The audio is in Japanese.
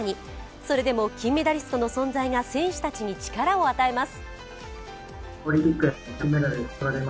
それでも金メダリストの存在が選手たちに力を与えます。